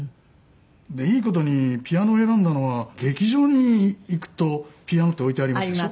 でいい事にピアノを選んだのは劇場に行くとピアノって置いてありますでしょ。